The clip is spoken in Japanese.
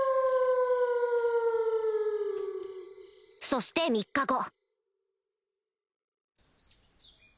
そして３日後